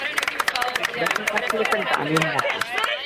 ব্যাপারটা আসলে একটা গানের মতো।